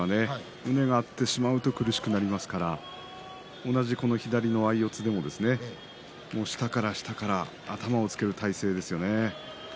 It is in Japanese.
胸が合うと苦しくなってしまいますから同じ左の相四つでも下から下から頭をつける体勢ですよね。